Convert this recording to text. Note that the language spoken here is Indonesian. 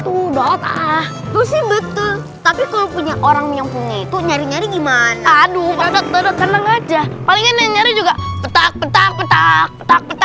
udah langsung udah tau kita ambil aja lanjut